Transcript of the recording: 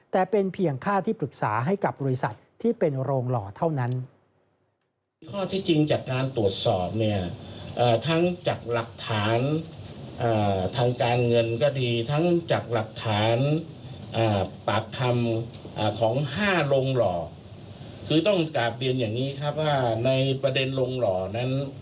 แต่เป็นเพียงค่าที่ปรึกษาให้กับบริษัทที่เป็นโรงหล่อเท่านั้น